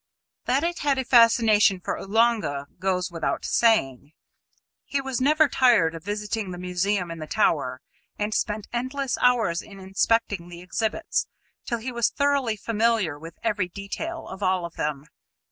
That it had a fascination for Oolanga goes without saying. He was never tired of visiting the museum in the tower, and spent endless hours in inspecting the exhibits, till he was thoroughly familiar with every detail of all of them.